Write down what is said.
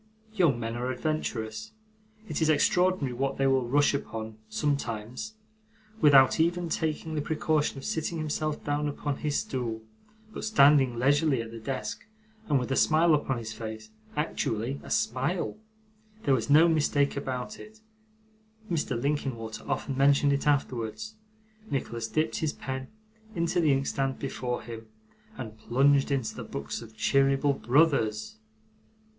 Young men are adventurous. It is extraordinary what they will rush upon, sometimes. Without even taking the precaution of sitting himself down upon his stool, but standing leisurely at the desk, and with a smile upon his face actually a smile there was no mistake about it; Mr Linkinwater often mentioned it afterwards Nicholas dipped his pen into the inkstand before him, and plunged into the books of Cheeryble Brothers!